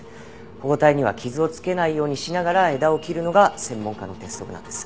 保護帯には傷をつけないようにしながら枝を切るのが専門家の鉄則なんです。